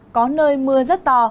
có nơi mưa rất to